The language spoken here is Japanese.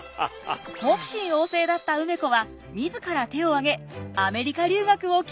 好奇心旺盛だった梅子は自ら手を挙げアメリカ留学を希望。